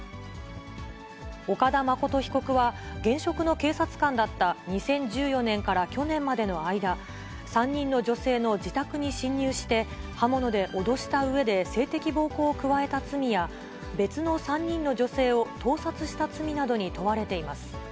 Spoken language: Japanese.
岡田誠被告は現職の警察官だった２０１４年から去年までの間、３人の女性の自宅に侵入して、刃物で脅したうえで性的暴行を加えた罪や、別の３人の女性を盗撮した罪などに問われています。